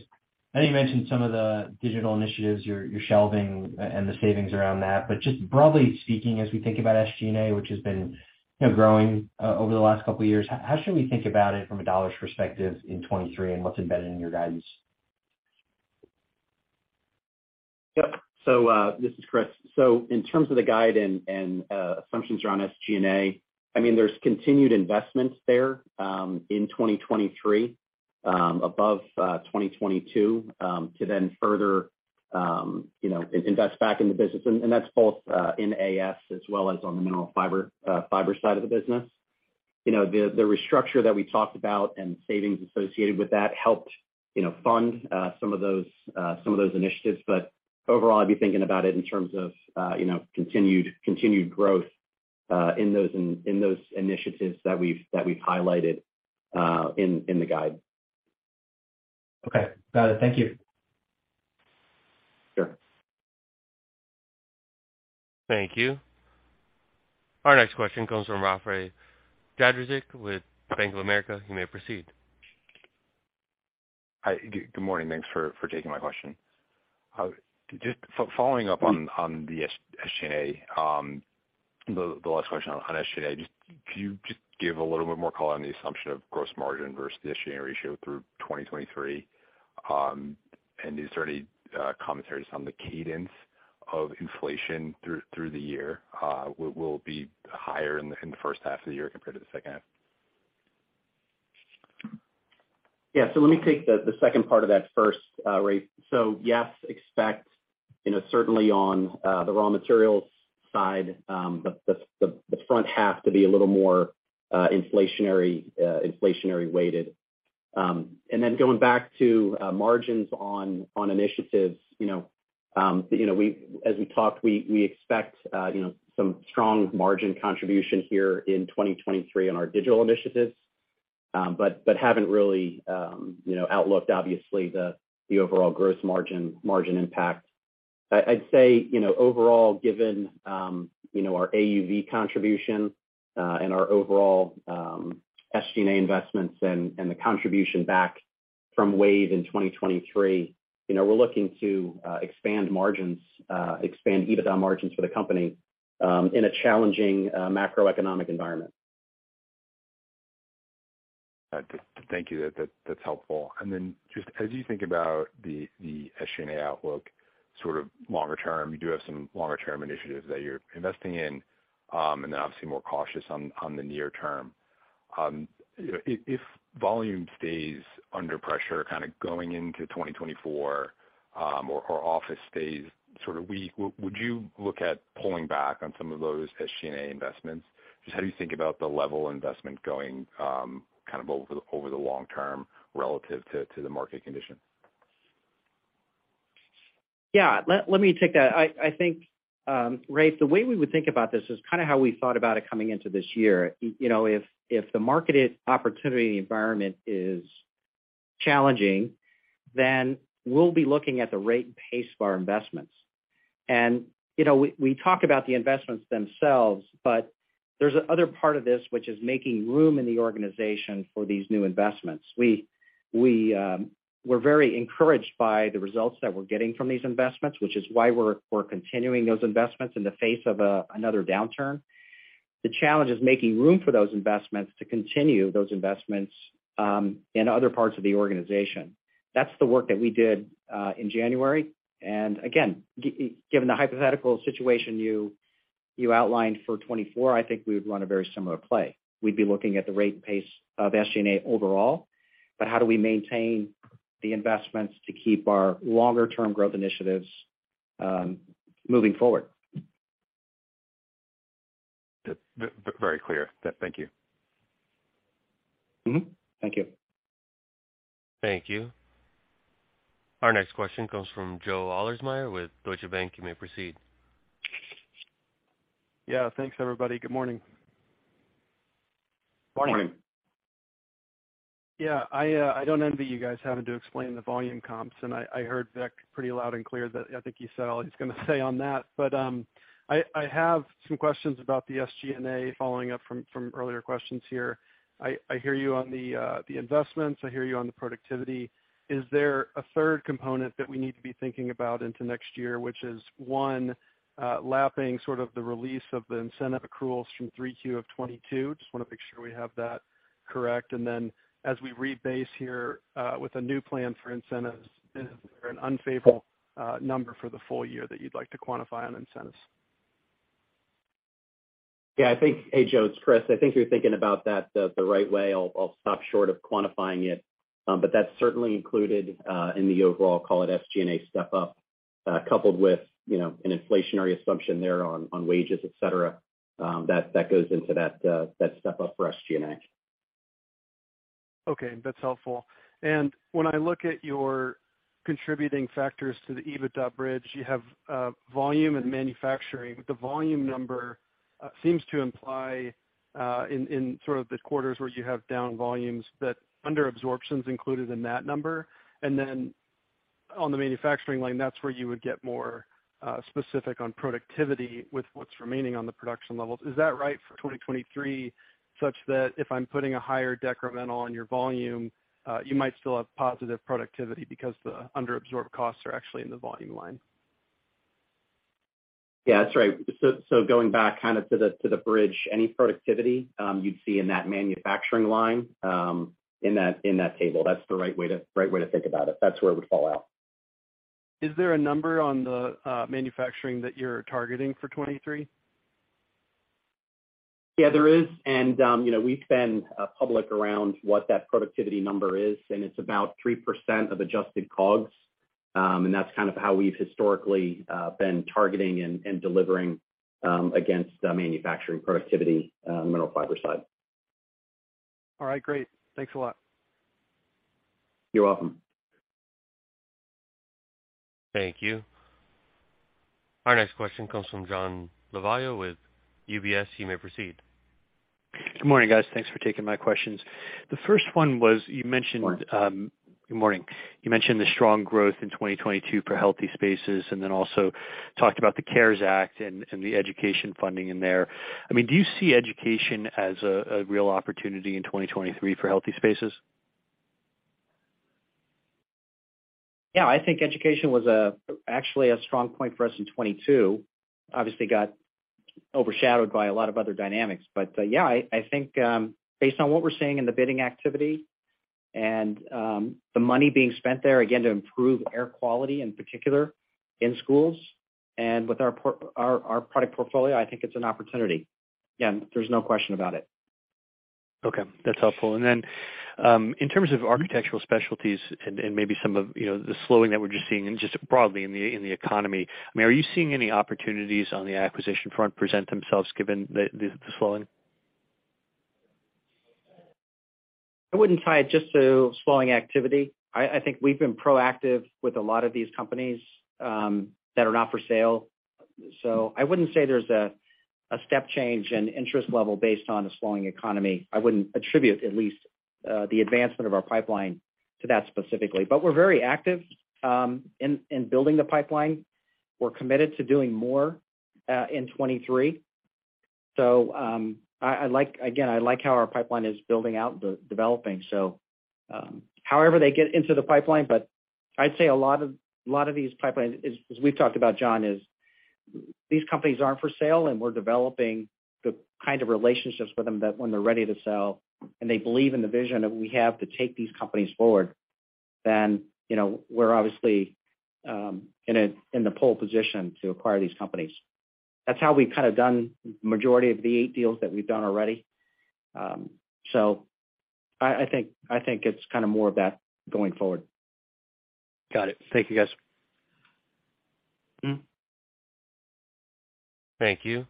I know you mentioned some of the digital initiatives you're shelving and the savings around that, but just broadly speaking, as we think about SG&A which has been, you know, growing over the last couple of years, how should we think about it from a dollars perspective in 2023 and what's embedded in your guidance?
Yep. This is Chris. In terms of the guide and assumptions around SG&A, I mean, there's continued investments there in 2023 above 2022 to further, you know, invest back in the business. And that's both in AS as well as on the Mineral Fiber side of the business. You know, the restructure that we talked about and savings associated with that helped, you know, fund some of those initiatives. Overall, I'd be thinking about it in terms of, you know, continued growth in those initiatives that we've highlighted in the guide.
Okay. Thank you.
Sure.
Thank you. Our next question comes from Rafe Jadrosich with Bank of America. You may proceed.
Hi, good morning. Thanks for taking my question. Just following up on the SG&A, the last question on SG&A, just can you just give a little bit more color on the assumption of gross margin versus the SG&A ratio through 2023? Is there any commentary just on the cadence of inflation through the year, will it be higher in the first half of the year compared to the second half?
Yeah. Let me take the second part of that first, Rafe. Yes, expect, you know, certainly on the raw materials side, the front half to be a little more inflationary weighted. Then going back to margins on initiatives, you know, as we talked, we expect, you know, some strong margin contribution here in 2023 on our digital initiatives, but haven't really, you know, outlooked obviously the overall gross margin impact. I'd say, you know, overall given, you know, our AUV contribution and our overall SG&A investments and the contribution back from WAVE in 2023, you know, we're looking to expand margins, expand EBITDA margins for the company in a challenging macroeconomic environment.
Thank you. That's helpful. Just as you think about the SG&A outlook sort of longer term, you do have some longer term initiatives that you're investing in, and then obviously more cautious on the near term. You know, if volume stays under pressure kind of going into 2024, or office stays sort of weak, would you look at pulling back on some of those SG&A investments? Just how do you think about the level of investment going kind of over the long term relative to the market condition?
Yeah. Let me take that. I think, Rafe, the way we would think about this is kind of how we thought about it coming into this year. You know, if the market opportunity environment is challenging, then we'll be looking at the rate and pace of our investments. You know, we talk about the investments themselves, but there's an other part of this which is making room in the organization for these new investments. We're very encouraged by the results that we're getting from these investments, which is why we're continuing those investments in the face of another downturn. The challenge is making room for those investments to continue those investments in other parts of the organization. That's the work that we did in January. Again, given the hypothetical situation you outlined for 2024, I think we would run a very similar play. We'd be looking at the rate and pace of SG&A overall, but how do we maintain the investments to keep our longer term growth initiatives moving forward?
Very clear. Thank you.
Thank you.
Thank you. Our next question comes from Joe Ahlersmeyer with Deutsche Bank. You may proceed.
Yeah. Thanks, everybody. Good morning.
Morning.
Yeah. I don't envy you guys having to explain the volume comps, I heard Vic pretty loud and clear that I think he said all he's gonna say on that. I have some questions about the SG&A following up from earlier questions here. I hear you on the investments, I hear you on the productivity. Is there a third component that we need to be thinking about into next year, which is one, lapping sort of the release of the incentive accruals from 3Q of 2022? Just wanna make sure we have that correct. As we rebase here, with a new plan for incentives, is there an unfavorable number for the full year that you'd like to quantify on incentives?
Yeah. I think. Hey, Joe, it's Chris. I think you're thinking about the right way. I'll stop short of quantifying it. That's certainly included in the overall, call it SG&A step up, coupled with, you know, an inflationary assumption there on wages, et cetera, that goes into that step up for SG&A.
Okay. That's helpful. When I look at your contributing factors to the EBITDA bridge, you have volume and manufacturing. The volume number seems to imply, in sort of the quarters where you have down volumes that under absorption's included in that number. On the manufacturing line, that's where you would get more specific on productivity with what's remaining on the production levels. Is that right for 2023, such that if I'm putting a higher decremental on your volume, you might still have positive productivity because the under absorbed costs are actually in the volume line?
Yeah. That's right. Going back kind of to the, to the bridge, any productivity, you'd see in that manufacturing line, in that table. That's the right way to think about it. That's where it would fall out.
Is there a number on the manufacturing that you're targeting for 2023?
Yeah, there is. You know, we've been public around what that productivity number is, and it's about 3% of adjusted COGS. That's kind of how we've historically been targeting and delivering against the manufacturing productivity, Mineral Fiber side.
All right, great. Thanks a lot.
You're welcome.
Thank you. Our next question comes from John Lovallo with UBS. You may proceed.
Good morning, guys. Thanks for taking my questions. The first one was you mentioned-
Morning.
Good morning. You mentioned the strong growth in 2022 for Healthy Spaces, also talked about the CARES Act and the education funding in there. I mean, do you see education as a real opportunity in 2023 for Healthy Spaces?
Yeah, I think education was actually a strong point for us in 2022. Obviously, got overshadowed by a lot of other dynamics. Yeah, I think, based on what we're seeing in the bidding activity and the money being spent there, again, to improve air quality, in particular in schools and with our product portfolio, I think it's an opportunity. Yeah, there's no question about it.
Okay, that's helpful. In terms of Architectural Specialties and maybe some of, you know, the slowing that we're just seeing and just broadly in the economy, I mean, are you seeing any opportunities on the acquisition front present themselves given the slowing?
I wouldn't tie it just to slowing activity. I think we've been proactive with a lot of these companies that are not for sale. I wouldn't say there's a step change in interest level based on a slowing economy. I wouldn't attribute at least the advancement of our pipeline to that specifically. We're very active in building the pipeline. We're committed to doing more in 2023. I like again, I like how our pipeline is building out, but developing. However they get into the pipeline, but I'd say a lot of these pipelines is, as we've talked about, John, is these companies aren't for sale, and we're developing the kind of relationships with them that when they're ready to sell and they believe in the vision that we have to take these companies forward, then, you know, we're obviously in a, in the pole position to acquire these companies. That's how we've kind of done majority of the 8 deals that we've done already. I think it's kind of more of that going forward.
Got it. Thank you, guys.
Thank you.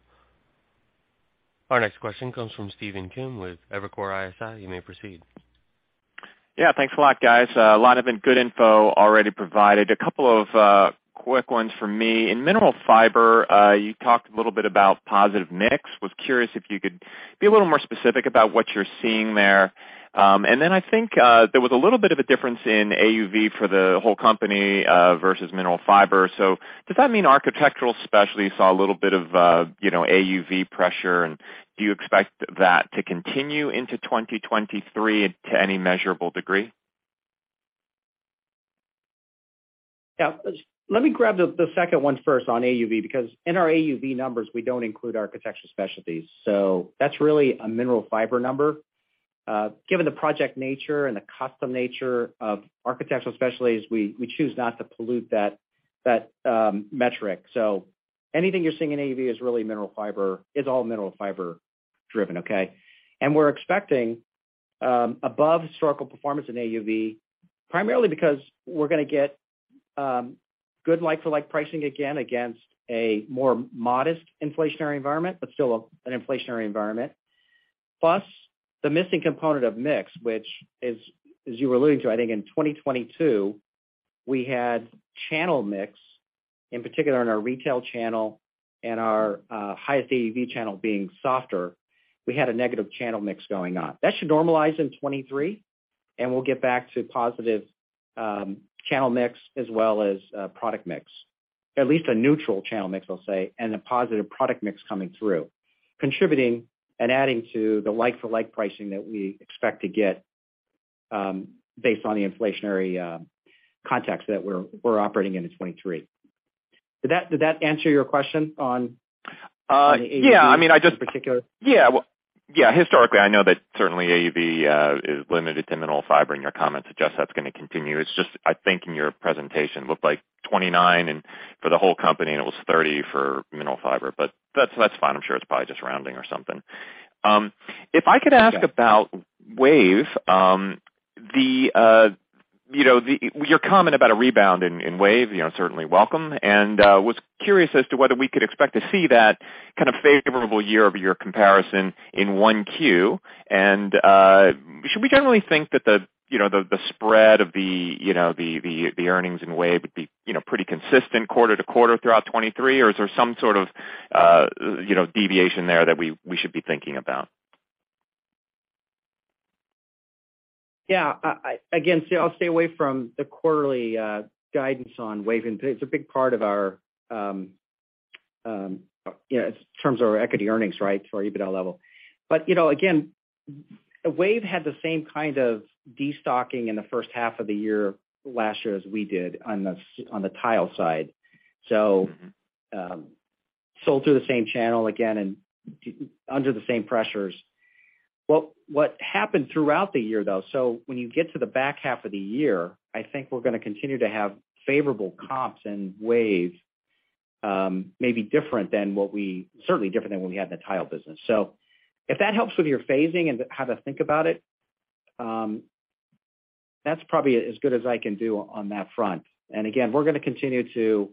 Our next question comes from Stephen Kim with Evercore ISI. You may proceed.
Yeah. Thanks a lot, guys. A lot of and good info already provided. A couple of quick ones for me. In Mineral Fiber, you talked a little bit about positive mix. Was curious if you could be a little more specific about what you're seeing there. I think there was a little bit of a difference in AUV for the whole company versus Mineral Fiber. Does that mean Architectural Specialty saw a little bit of, you know, AUV pressure, and do you expect that to continue into 2023 to any measurable degree?
Yeah. Let me grab the second one first on AUV, because in our AUV numbers, we don't include Architectural Specialties. That's really a Mineral Fiber number. Given the project nature and the custom nature of Architectural Specialties, we choose not to pollute that metric. Anything you're seeing in AUV is really Mineral Fiber, is all Mineral Fiber driven, okay? We're expecting above historical performance in AUV, primarily because we're gonna get good like-for-like pricing again against a more modest inflationary environment, but still an inflationary environment. Plus the missing component of mix, which is, as you were alluding to, I think in 2022, we had channel mix, in particular in our retail channel and our highest AUV channel being softer, we had a negative channel mix going on. That should normalize in 2023, and we'll get back to positive channel mix as well as product mix. At least a neutral channel mix, I'll say, and a positive product mix coming through, contributing and adding to the like-for-like pricing that we expect to get, based on the inflationary context that we're operating in in 2023. Did that answer your question on-
Yeah. I mean.
On the AUV in particular.
Yeah. Well, yeah, historically, I know that certainly AUV is limited to Mineral Fiber, and your comments suggest that's gonna continue. It's just, I think in your presentation, it looked like 29 and for the whole company, and it was 30 for Mineral Fiber. That's fine. I'm sure it's probably just rounding or something. If I could ask about WAVE. The, you know, your comment about a rebound in WAVE, you know, certainly welcome. Was curious as to whether we could expect to see that kind of favorable year-over-year comparison in 1Q. Should we generally think that the, you know, the spread of the earnings in WAVE would be, you know, pretty consistent quarter to quarter throughout 2023? Is there some sort of, you know, deviation there that we should be thinking about?
Yeah. Again, see, I'll stay away from the quarterly guidance on WAVE. It's a big part of our, you know, in terms of our equity earnings, right? To our EBITDA level. You know, again, WAVE had the same kind of destocking in the first half of the year last year as we did on the tile side. Sold through the same channel again and under the same pressures. What happened throughout the year, though, so when you get to the back half of the year, I think we're gonna continue to have favorable comps and WAVE, maybe different than what we certainly different than what we had in the tile business. If that helps with your phasing and how to think about it, that's probably as good as I can do on that front. Again, we're gonna continue to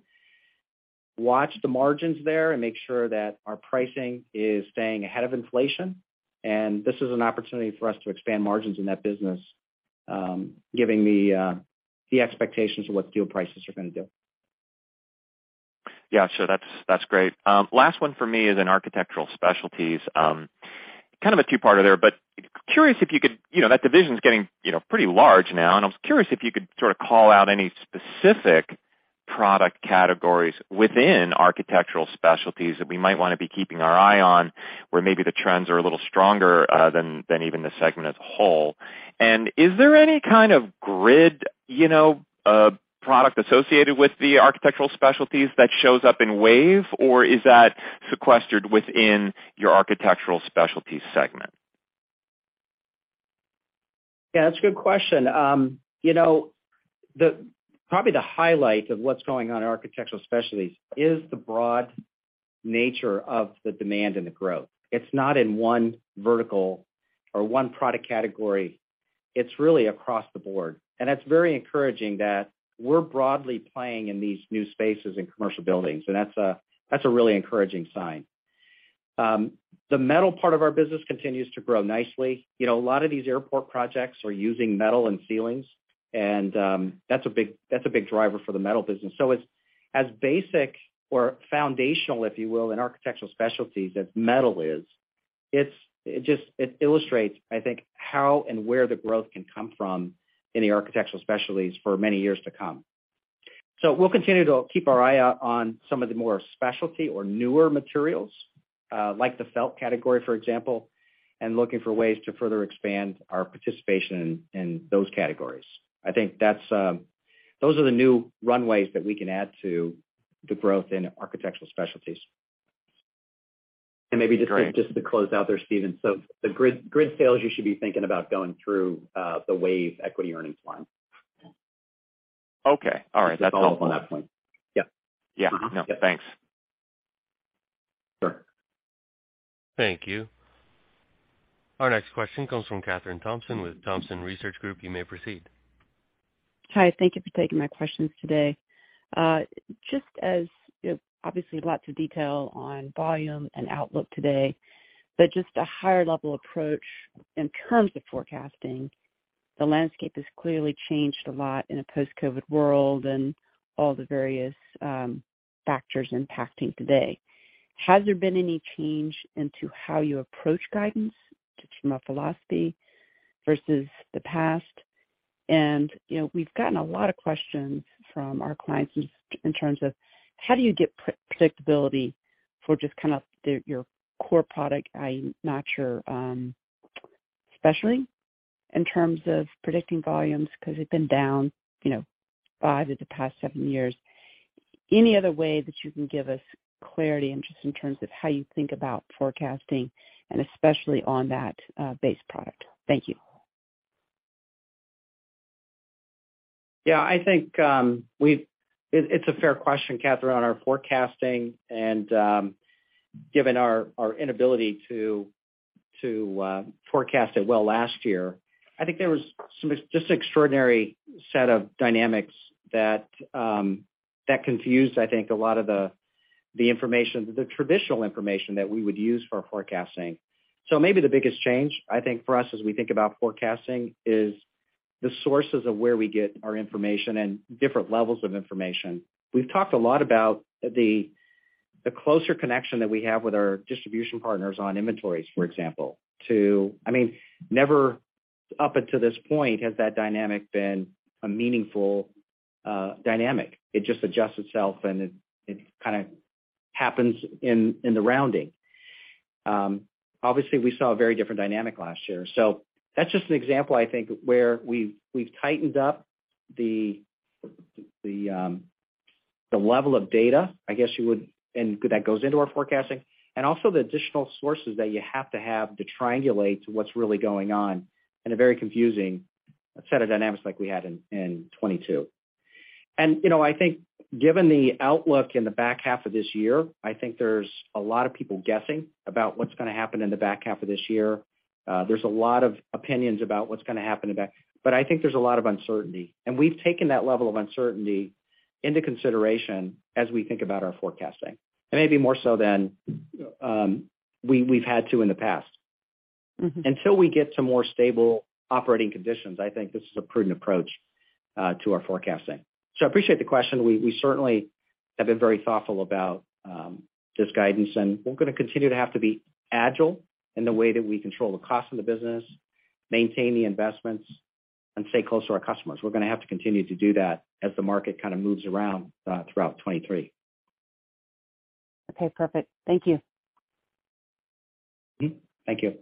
watch the margins there and make sure that our pricing is staying ahead of inflation. This is an opportunity for us to expand margins in that business, given the expectations of what steel prices are gonna do.
Yeah. That's, that's great. Last one for me is in Architectural Specialties. Kind of a two-parter there, but curious if you could... You know, that division is getting, you know, pretty large now, and I was curious if you could sort of call out any specific product categories within Architectural Specialties that we might wanna be keeping our eye on, where maybe the trends are a little stronger, than even the segment as a whole. Is there any kind of grid, you know, product associated with the Architectural Specialties that shows up in WAVE, or is that sequestered within your Architectural Specialties segment?
Yeah, that's a good question. you know, probably the highlight of what's going on in Architectural Specialties is the broad nature of the demand and the growth. It's not in one vertical or one product category. It's really across the board. That's very encouraging that we're broadly playing in these new spaces in commercial buildings, and that's a, that's a really encouraging sign. The metal part of our business continues to grow nicely. You know, a lot of these airport projects are using metal and ceilings, and that's a big driver for the metal business. As, as basic or foundational, if you will, in Architectural Specialties as metal is, it illustrates, I think, how and where the growth can come from in the Architectural Specialties for many years to come. We'll continue to keep our eye out on some of the more specialty or newer materials, like the felt category, for example, and looking for ways to further expand our participation in those categories. I think that's, those are the new runways that we can add to the growth in Architectural Specialties.
Maybe just to close out there, Stephen. The grid sales, you should be thinking about going through the WAVE equity earnings line.
Okay. All right. That's all on that point. Thanks.
Sure.
Thank you. Our next question comes from Kathryn Thompson with Thompson Research Group. You may proceed.
Hi. Thank you for taking my questions today. Just as, you know, obviously lots of detail on volume and outlook today, but just a higher level approach in terms of forecasting, the landscape has clearly changed a lot in a post-COVID world and all the various factors impacting today. Has there been any change into how you approach guidance just from a philosophy versus the past? You know, we've gotten a lot of questions from our clients in terms of how do you get predictability for just kind of your core product, I'm not sure, especially in terms of predicting volumes 'cause they've been down, you know, five of the past seven years. Any other way that you can give us clarity and just in terms of how you think about forecasting and especially on that base product? Thank you.
Yeah, I think, it's a fair question, Kathryn, on our forecasting and, given our inability to forecast it well last year. I think there was just extraordinary set of dynamics that confused, I think, a lot of the information, the traditional information that we would use for forecasting. Maybe the biggest change, I think, for us as we think about forecasting is the sources of where we get our information and different levels of information. We've talked a lot about the closer connection that we have with our distribution partners on inventories, for example. I mean, never up until this point has that dynamic been a meaningful dynamic. It just adjusts itself, and it kinda happens in the rounding. Obviously, we saw a very different dynamic last year. That's just an example, I think, where we've tightened up the level of data, I guess you would, and that goes into our forecasting, and also the additional sources that you have to triangulate to what's really going on in a very confusing set of dynamics like we had in 2022. You know, I think given the outlook in the back half of this year, I think there's a lot of people guessing about what's gonna happen in the back half of this year. There's a lot of opinions about what's gonna happen in the back, but I think there's a lot of uncertainty. We've taken that level of uncertainty into consideration as we think about our forecasting, and maybe more so than we've had to in the past. Until we get to more stable operating conditions, I think this is a prudent approach to our forecasting. I appreciate the question. We certainly have been very thoughtful about this guidance, and we're gonna continue to have to be agile in the way that we control the cost of the business, maintain the investments, and stay close to our customers. We're gonna have to continue to do that as the market kinda moves around throughout 2023.
Okay, perfect. Thank you.
Thank you.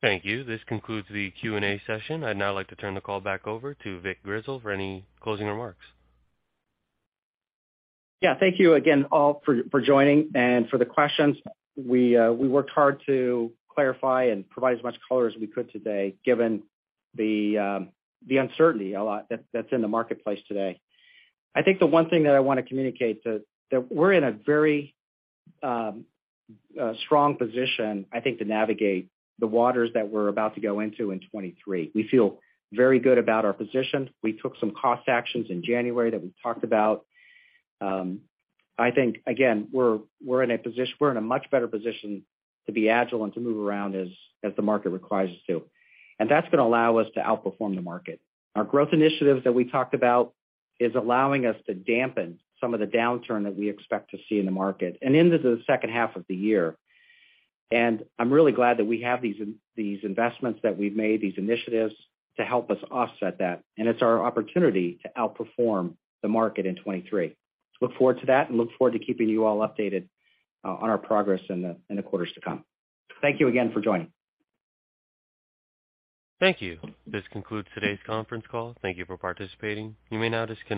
Thank you. This concludes the Q&A session. I'd now like to turn the call back over to Vic Grizzle for any closing remarks.
Yeah. Thank you again, all, for joining and for the questions. We worked hard to clarify and provide as much color as we could today, given the uncertainty a lot that's in the marketplace today. I think the one thing that I wanna communicate that we're in a very strong position, I think, to navigate the waters that we're about to go into in 2023. We feel very good about our position. We took some cost actions in January that we talked about. I think, again, we're in a much better position to be agile and to move around as the market requires us to. That's gonna allow us to outperform the market. Our growth initiatives that we talked about is allowing us to dampen some of the downturn that we expect to see in the market and into the second half of the year. I'm really glad that we have these investments that we've made, these initiatives to help us offset that, It's our opportunity to outperform the market in 2023. Look forward to that and look forward to keeping you all updated on our progress in the quarters to come. Thank you again for joining.
Thank you. This concludes today's conference call. Thank you for participating. You may now disconnect.